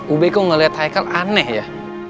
ube kok ngelihat haikal aneh ya